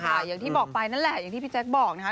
อย่างที่บอกไปนั่นแหละอย่างที่พี่แจ๊คบอกนะคะ